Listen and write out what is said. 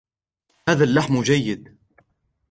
هذا اللحم جيد.